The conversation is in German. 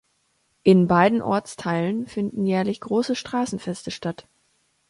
In beiden Ortsteilen finden jährlich große Straßenfeste statt.